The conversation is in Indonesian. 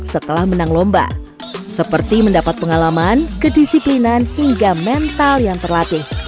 setelah menang lomba seperti mendapat pengalaman kedisiplinan dan kemampuan untuk menang lomba